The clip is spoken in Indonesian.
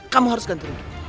kamu harus ganti rugi